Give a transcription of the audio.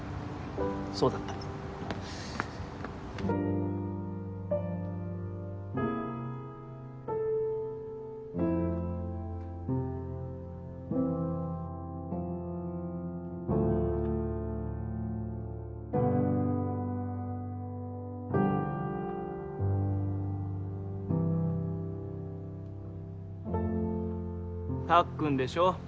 そうだたっくんでしょ